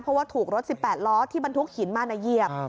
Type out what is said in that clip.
เพราะว่าถูกรถ๑๘ล้อที่บรรทุกหินมาเหยียบ